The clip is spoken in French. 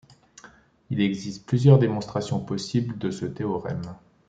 Il existe plusieurs démonstrations possibles de ce théorème.